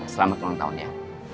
selamat ulang tahun ya